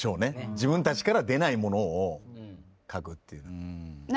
自分たちからは出ないものを書くっていう。